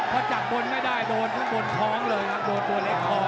กาดเกมสีแดงเดินแบ่งมูธรุด้วย